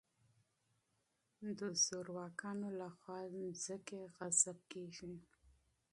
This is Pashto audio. د زورواکانو له خوا ځمکې غصب کېږي.